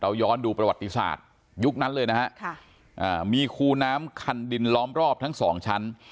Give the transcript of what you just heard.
ย้อนดูประวัติศาสตร์ยุคนั้นเลยนะฮะมีคูน้ำคันดินล้อมรอบทั้งสองชั้น